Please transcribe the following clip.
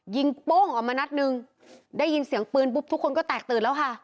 โป้งออกมานัดหนึ่งได้ยินเสียงปืนปุ๊บทุกคนก็แตกตื่นแล้วค่ะ